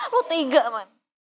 lo tega man